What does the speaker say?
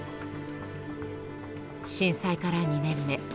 震災から２年目。